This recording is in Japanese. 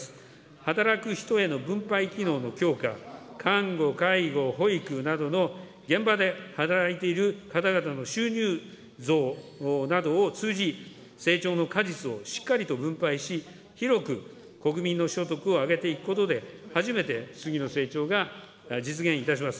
働く人への分配機能の強化、看護、介護、保育などの現場で働いている方々の収入増などを通じ、成長の果実をしっかりと分配し、広く国民の所得を上げていくことで、初めて次の成長が実現いたします。